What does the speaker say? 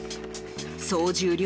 総重量